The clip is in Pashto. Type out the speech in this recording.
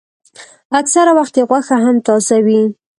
اکثره وخت یې غوښه هم تازه وي.